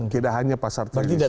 tidak hanya pasar tradisional